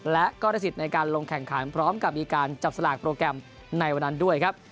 และก็ได้สิทธิ์ในการลงแข่งขันพร้อมกับมีการจับสลากโปรแกรมในวันนั้นด้วยครับ